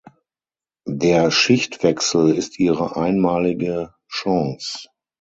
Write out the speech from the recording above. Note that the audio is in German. Der Schichtwechsel ist Ihre einmalige Chance!